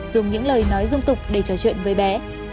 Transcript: dùng những lời nói dung tục để trò chuyện với bé